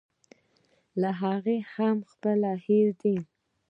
له هغه خپلې هم هېرې دي.